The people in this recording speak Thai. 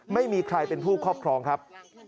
ไม่มีใครเป็นผู้ครอบครองครับ